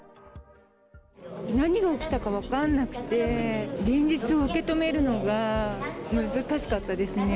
何が起きたか分かんなくて、現実を受け止めるのが難しかったですね。